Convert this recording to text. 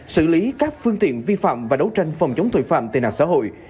xử lý các phương tiện vi phạm và đấu tranh phòng chống tội phạm tên hạc xã hội